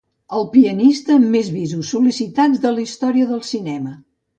El pianista amb més bisos sol·licitats de la història del cinema.